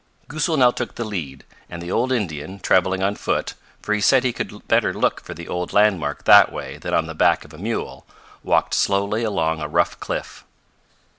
Goosal now took the lead, and the old Indian, traveling on foot, for he said he could better look for the old landmark that way than on the back of a mule, walked slowly along a rough cliff.